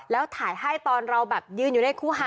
แล้วถ่ายให้ตอนเราแบบยืนอยู่ในคู่หา